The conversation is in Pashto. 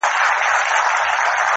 ښايي تر هرڅه وړاندې